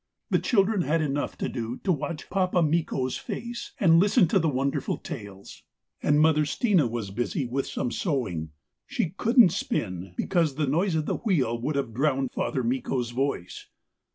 The children had enough to do to watch 'Pappa' Mikko's face and listen to the wonderful tales, and Mother Stina was busy with some sewing she couldn't spin because the noise of the wheel would have drowned Father Mikko's voice.